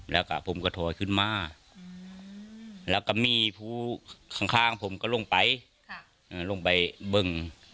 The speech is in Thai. แล้วก็ผมก็ถอยขึ้นมาแล้วก็มีผู้ข้างผมก็ลงไปลงไปบึง